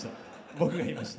僕が言いました。